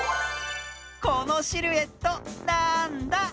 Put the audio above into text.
このシルエットなんだ？